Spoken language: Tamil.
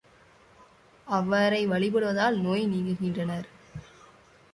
அவரை வழிபடுவதால் நோய் நீங்குகின்றனர்.